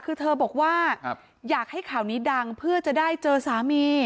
คือเธอบอกว่าอยากให้ข่าวนี้ดังเพื่อจะได้เจอสามี